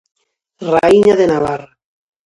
Raíña de Navarra.